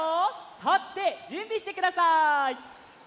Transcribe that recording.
たってじゅんびしてください！